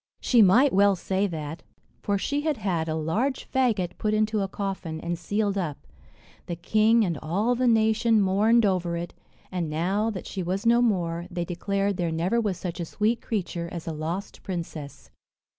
She might well say that, for she had had a large faggot put into a coffin, and sealed up; the king and all the nation mourned over it; and now, that she was no more, they declared there never was such a sweet creature as the lost princess.